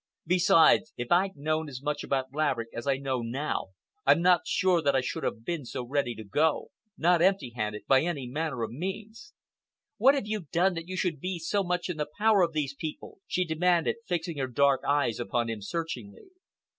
Besides, if I'd known as much about Laverick as I know now, I'm not sure that I should have been so ready to go—not empty handed, by any manner of means." "What have you done that you should be so much in the power of these people?" she demanded, fixing her dark eyes upon him searchingly.